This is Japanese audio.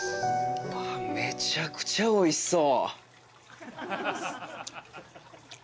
うわっめちゃくちゃおいしそう！